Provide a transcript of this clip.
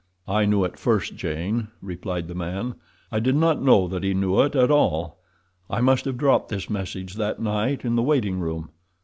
"I knew it first, Jane," replied the man. "I did not know that he knew it at all. I must have dropped this message that night in the waiting room.